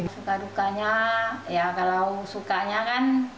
suka dukanya kalau sukanya kan